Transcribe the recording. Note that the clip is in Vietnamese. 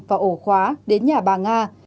và ổ khóa đến nhà bà nga